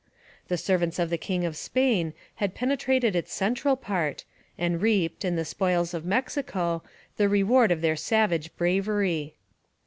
The servants of the king of Spain had penetrated its central part and reaped, in the spoils of Mexico, the reward of their savage bravery.